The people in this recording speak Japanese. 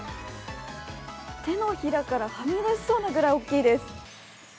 手のひらからはみ出しそうなくらい大きいです。